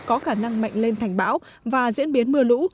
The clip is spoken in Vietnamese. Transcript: có khả năng mạnh lên thành bão và diễn biến mưa lũ